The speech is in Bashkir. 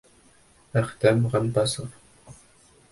Әхтәм Ғәббәсов: